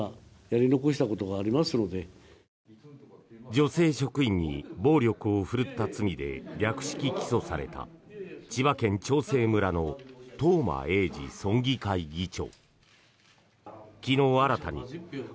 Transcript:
女性職員に暴力を振るった罪で略式起訴された千葉県長生村の東間永次村議会議長。